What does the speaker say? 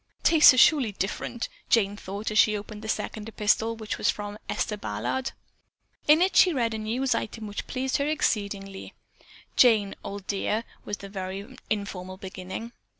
"Tastes are surely different!" Jane thought as she opened the second epistle, which was from Esther Ballard. In it she read a news item which pleased her exceedingly. "Jane, old dear" was the very informal beginning.